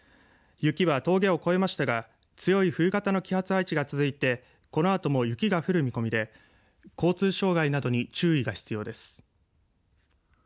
雪は峠を越えましたが強い冬型の気圧配置が続いてこのあとも雪が降る見込みで交通障害などに注意が必要です。